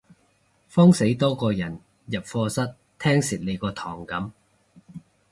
慌死多個人入課室聽蝕你嗰堂噉